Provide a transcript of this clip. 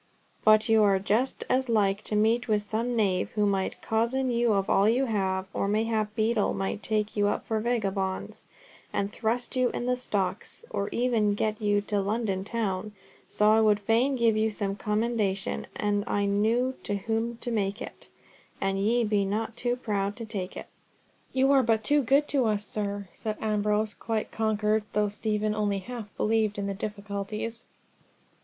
But you are just as like to meet with some knave who might cozen you of all you have, or mayhap a beadle might take you up for vagabonds, and thrust you in the stocks, or ever you get to London town; so I would fain give you some commendation, an I knew to whom to make it, and ye be not too proud to take it." "You are but too good to us, sir," said Ambrose, quite conquered, though Stephen only half believed in the difficulties.